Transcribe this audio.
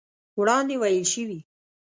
وړاندې ويل شوي